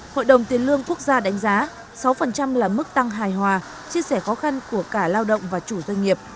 hội đồng tiền lương quốc gia đánh giá sáu là mức tăng hài hòa chia sẻ khó khăn của cả lao động và chủ doanh nghiệp